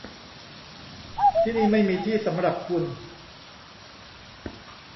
ที่นี่ไม่มีที่สำหรับคุณ